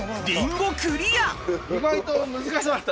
リンゴクリア！